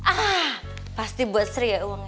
ah pasti buat sri ya uangnya